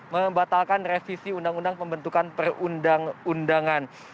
membatalkan revisi undang undang pembentukan perundang undangan